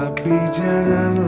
aku gak boleh egois